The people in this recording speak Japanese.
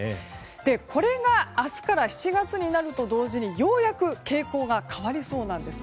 これが明日から７月になると同時にようやく傾向が変わりそうなんです。